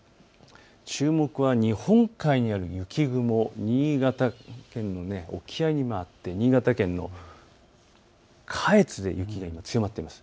注目は日本海にある雪雲、新潟県の沖合にあって新潟県の下越で今、雪が強まっています。